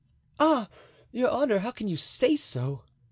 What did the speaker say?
"Ah, your honor, how can you say so?"